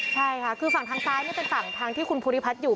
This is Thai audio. ใช่ค่ะคือฝั่งทางซ้ายนี่เป็นฝั่งทางที่คุณภูริพัฒน์อยู่